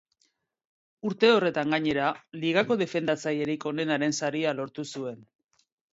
Urte horretan gainera, ligako defendatzailerik onenaren saria lortu zuen.